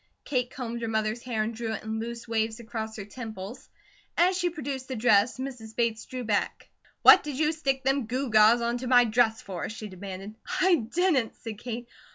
Kate combed her mother's hair and drew it in loose waves across her temples. As she produced the dress, Mrs. Bates drew back. "What did you stick them gew gaws onto my dress for?" she demanded. "I didn't," said Kate.